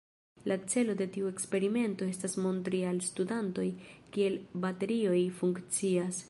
La celo de tiu eksperimento estas montri al studantoj kiel baterioj funkcias.